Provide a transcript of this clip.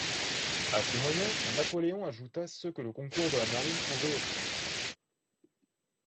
À ces moyens Napoléon ajouta ceux que le concours de la marine pouvait offrir.